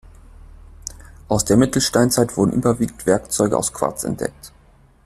Aus der Mittelsteinzeit wurden überwiegend Werkzeuge aus Quarz entdeckt.